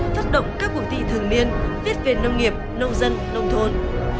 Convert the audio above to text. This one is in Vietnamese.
phát động các cuộc thi thường niên viết về nông nghiệp nông dân nông thôn